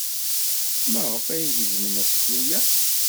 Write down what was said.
Maɣef ay yegzem aseklu-a?